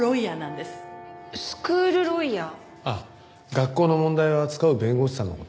学校の問題を扱う弁護士さんの事。